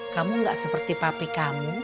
kamu gak seperti papi kamu